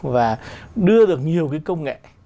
và đưa được nhiều cái công nghệ